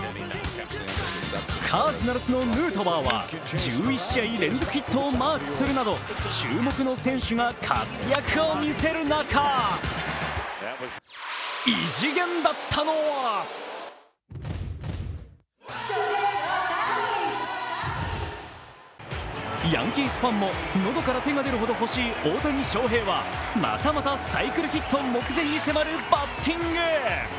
カージナルスのヌートバーは１１試合連続ヒットをマークするなど注目の選手が活躍を見せる中異次元だったのはヤンキースファンも喉から手が出るほど欲しい大谷翔平はまたまたサイクルヒット目前に迫るバッティング。